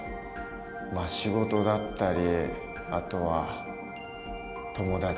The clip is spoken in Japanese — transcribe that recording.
まあ仕事だったりあとは友達先輩